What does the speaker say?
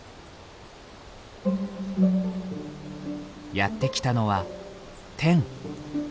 やって来たのはテン。